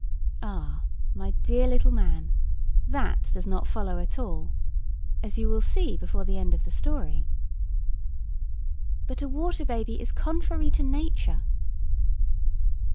Ah, my dear little man! that does not follow at all, as you will see before the end of the story. "But a water baby is contrary to nature."